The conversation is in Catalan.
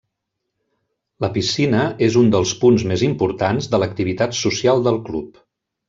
La piscina és un dels punts més importants de l'activitat social del club.